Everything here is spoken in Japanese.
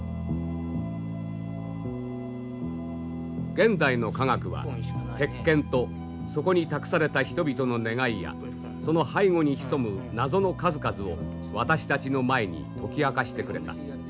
現代の科学は鉄剣とそこに託された人々の願いやその背後に潜む謎の数々を私たちの前に解き明かしてくれた。